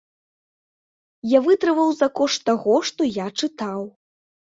Я вытрываў за кошт таго, што я чытаў.